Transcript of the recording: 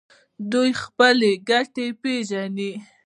دوی خپله ګټه پیژني.